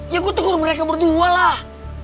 ya gue tegur mereka berdua lah